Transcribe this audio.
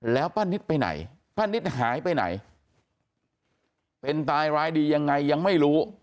แล้วป้านิตไปไหนป้านิตหายไปไหนเป็นตายร้ายดียังไงยังไม่รู้